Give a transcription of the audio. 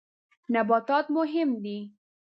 نباتات مهم دي.